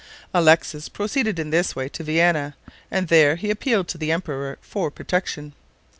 Alexis proceeded in this way to Vienna, and there he appealed to the emperor for protection.